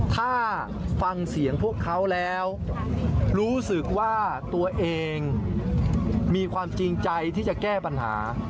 ถ้าฟังเสียงพวกเขาแล้วรู้สึกว่าตัวเองมีความจริงใจที่จะแก้ปัญหา